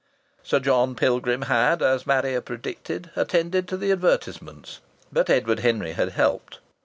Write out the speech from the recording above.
Sir John Pilgrim had, as Marrier predicted, attended to the advertisements. But Edward Henry had helped.